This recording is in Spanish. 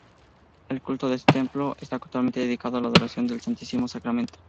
El culto en este templo está actualmente dedicado a la adoración del Santísimo Sacramento.